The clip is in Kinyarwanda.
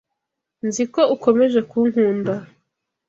Nzi ko ukomeje kunkunda.